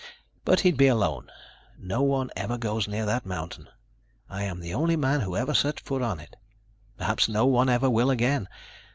"But he'd be alone. No one ever goes near that mountain. I am the only man who ever set foot on it. Perhaps no one ever will again.